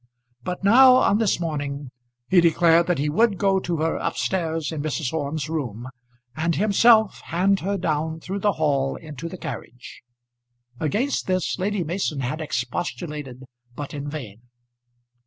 But now, on this morning, he declared that he would go to her up stairs in Mrs. Orme's room, and himself hand her down through the hall into the carriage. Against this Lady Mason had expostulated, but in vain.